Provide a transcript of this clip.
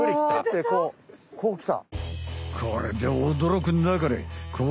これでおどろくなかれ。